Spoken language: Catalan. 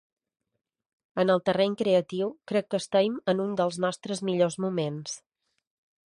En el terreny creatiu, crec que estem en un dels nostres millors moments.